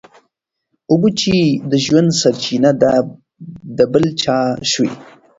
اوبه چي د ژوند سرچینه ده د بل چا شوې.